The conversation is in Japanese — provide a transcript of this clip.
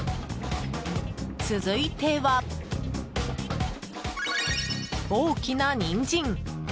続いては、大きなニンジン。